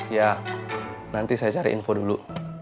ya nanti saya cari info dulu